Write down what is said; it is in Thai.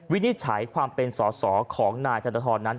วินิจฉัยความเป็นสอสอของนายธนทรนั้น